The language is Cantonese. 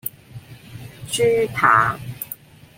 豬扒